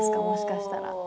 もしかしたら。